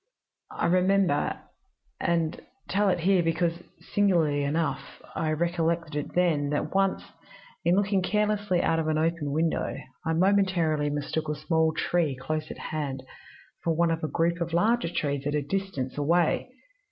I remember and tell it here because, singularly enough, I recollected it then that once, in looking carelessly out of an open window, I momentarily mistook a small tree close at hand for one of a group of larger trees at a little distance away.